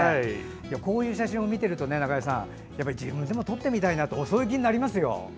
こういう写真を見てると中井さん、自分でも撮ってみたいなとそういう気になりますよ。